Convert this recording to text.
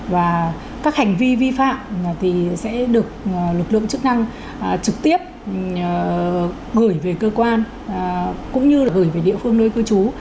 và các hành vi vi phạm thì sẽ được lực lượng chức năng trực tiếp gửi về cơ quan cũng như là gửi về địa phương nơi cư trú